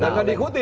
dan kan diikuti